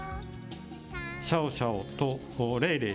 シャオシャオとレイレイ。